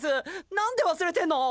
なんで忘れてんの！？